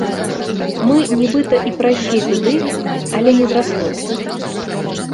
Мы нібыта і прайшлі туды, але не зраслося.